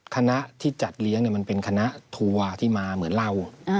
คณะที่จัดเลี้ยงมันเป็นคณะทัวร์ที่มาเหมือนเรา